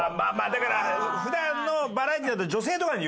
だから普段のバラエティーだと女性とかに言うんですけどね。